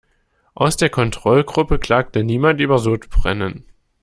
Aus der Kontrollgruppe klagte niemand über Sodbrennen.